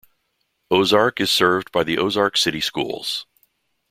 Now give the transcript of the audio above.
Ozark is served by the Ozark City Schools.